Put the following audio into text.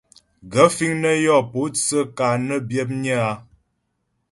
Gaə̂ fíŋ nə́ yɔ́ pótsə́ ka nə́ byə̌pnyə́ a ?